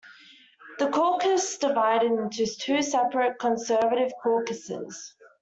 The caucus divided into two separate Conservative caucuses.